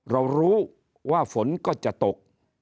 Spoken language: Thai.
เรารู้ว่าฝนก็จะตก